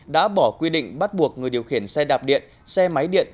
đã bỏ quy định bắt buộc người điều khiển xe đạp điện xe máy điện